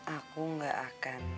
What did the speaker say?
aku enggak akan